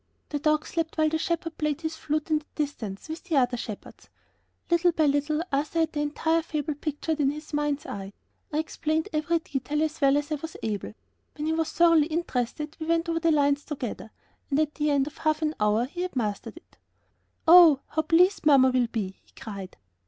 "The dog slept while the shepherd played his flute in the distance with the other shepherds." Little by little Arthur had the entire fable pictured in his mind's eye. I explained every detail, as well as I was able. When he was thoroughly interested we went over the lines together and at the end of half an hour he had mastered it. "Oh, how pleased mamma will be!" he cried.